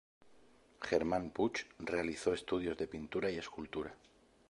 Germán Puig realizó estudios de pintura y escultura.